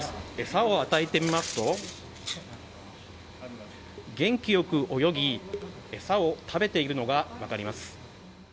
餌を与えてみますと元気良く泳ぎ餌を食べているのが分かります。